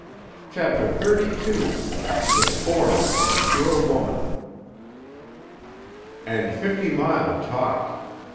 CHAPTER XXXII—THE SCORN OF A PURE WOMAN And Fifty Mile talked.